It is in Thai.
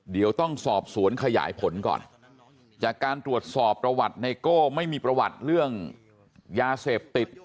เดี๋ยวต้องสอบสวนขยายผลก่อนจากการตรวจสอบประวัติไนโก้ไม่มีประวัติเรื่องยาเสพติด